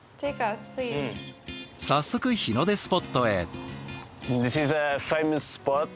早速日の出スポットへ。